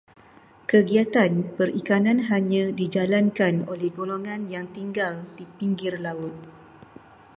Kegiatan perikanan hanya dijalankan oleh golongan yang tinggal di pinggir laut.